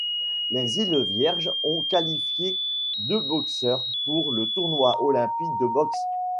Les Îles Vierges ont qualifié deux boxeurs pour le tournoi olympique de boxe.